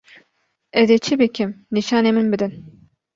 Ez ê çi bikim nîşanî min bidin.